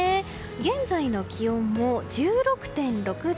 現在の気温も１６．６度。